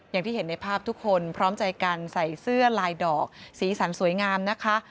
อย่างที่เห็นในภาพทุกคนพร้อมใจกันใส่เสื้อลายดอกสีสันสวยงามนะคะ